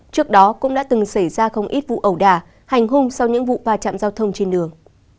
trước đó cũng đã từng xảy ra không ít vụ ẩu đà hành hung sau những vụ va chạm giao thông trên đường